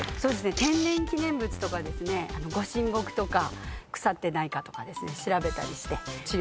天然記念物とかですねご神木とか腐ってないかとか調べたりして治療してます。